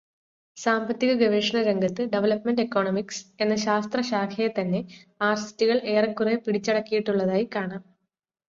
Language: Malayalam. സാമ്പത്തികഗവേഷണരംഗത്ത് “ഡെവലപ്മെന്റ് ഇക്കണോമിക്സ്” എന്ന ശാസ്ത്രശാഖയെത്തന്നെ ആർസിറ്റികൾ ഏറെക്കുറെ പിടിച്ചടക്കിയിട്ടുള്ളതായി കാണാം.